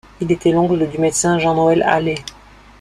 Il était l'oncle du médecin Jean-Noël Hallé.